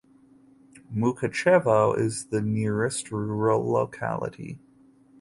Mukachevo is the nearest rural locality.